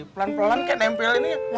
pelan pelan kayak nempelin ya